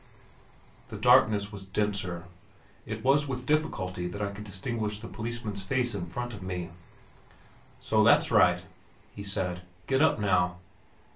The darkness was denser; it was with difficulty that I could distinguish the policeman's face in front of me. "So, that's right," he said; "get up now."